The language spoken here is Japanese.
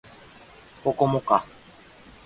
ここもか